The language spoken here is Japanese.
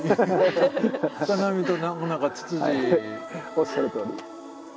おっしゃるとおり。